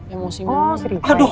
emosi oh sri paik aduh